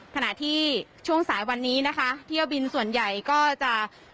ขณะที่ช่วงสายวันนี้นะคะเที่ยวบินส่วนใหญ่ก็จะ